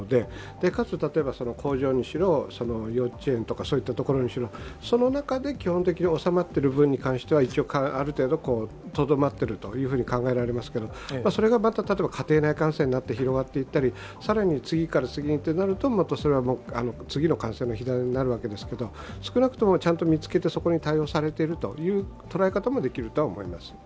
かつ工場にしろ、幼稚園とか、そういったところにしろ、その中で基本的に収まっている分に関して、ある程度とどまっていると考えられますけれども、それが例えば家庭内感染になって広まっていったり更に次から次にとなると、次の感染の火種になるわけですけど、少なくともちゃんと見つけて、そこに対応されているというとらえ方もできると思います。